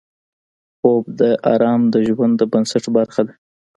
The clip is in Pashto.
خوب د آرام د ژوند د بنسټ برخه ده